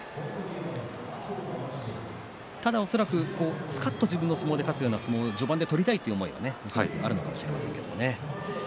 ただ恐らく、すかっと自分の相撲で勝つような相撲を序盤で取りたいと思いがあるのかもしれませんけれどもね。